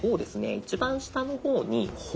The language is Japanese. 一番下の方です。